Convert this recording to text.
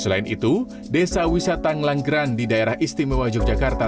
selain itu desa wisata ngelanggeran di daerah istimewa yogyakarta